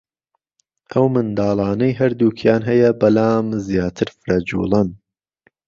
ئەو منداڵانەی هەردووکیان هەیە بەلام زیاتر فرەجووڵەن